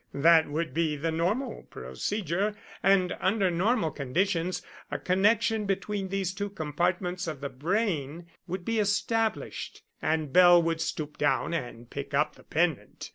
That would be the normal procedure, and under normal conditions a connection between these two compartments of the brain would be established, and Bell would stoop down and pick up the pendant.